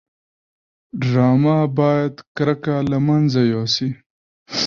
ډرامه باید کرکه له منځه یوسي